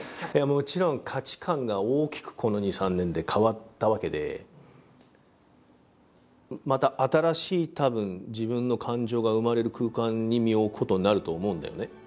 もちろん価値観が大きくこの２３年で変わったわけでまた新しいたぶん自分の感情が生まれる空間に身を置くことになると思うんだよね